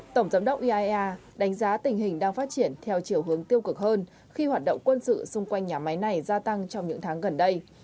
tổng giám đốc iaea đánh giá tình hình đang phát triển theo chiều hướng tiêu cực hơn khi hoạt động quân sự xung quanh nhà máy này gia tăng trong những tháng gần đây